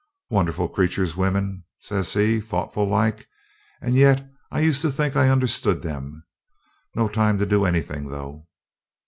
'Wonderful creatures, women,' says he, thoughtful like; 'and yet I used to think I understood them. No time to do anything, though.'